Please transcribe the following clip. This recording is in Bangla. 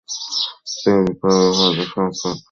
তিনি বিপ্লবী ভাবাদর্শে অনুপ্রাণিত হন।